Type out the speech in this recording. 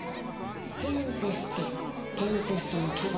テンペストテンペストの牙